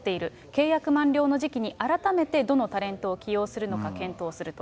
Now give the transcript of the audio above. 契約満了の時期に改めてどのタレントを起用するのか検討すると。